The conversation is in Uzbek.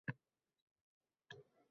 Akam olib chiqqan!